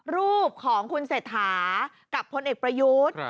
รูปของคุณเศรษฐากับพลเอกประยุทธ์